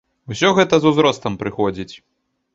Усё гэта з узростам прыходзіць.